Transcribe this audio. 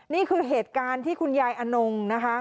นี่คือเหตุการณ์ที่คุณยายอนงนะคะ